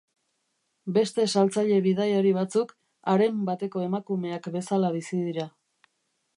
Beste saltzaile bidaiari batzuk harem bateko emakumeak bezala bizi dira.